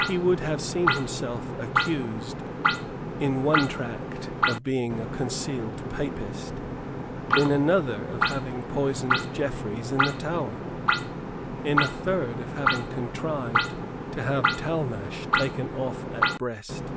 He would have seen himself accused, in one tract, of being a concealed Papist, in another of having poisoned Jeffreys in the Tower, in a third of having contrived to have Talmash taken off at Brest.